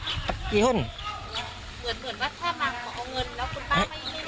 เหมือนว่าถ้ามากมาเอาเงินแล้วคุณป้าไม่ได้ให้